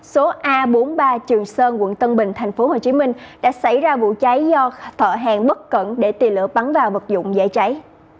số a bốn mươi ba trường sơn quận tân bình tp hcm đã xảy ra vụ cháy do thợ hàng bất cẩn để tìa lửa bắn vào vật dụng dễ cháy